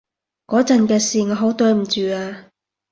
嗰陣嘅事，我好對唔住啊